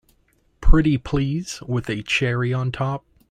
Pretty please with a cherry on top!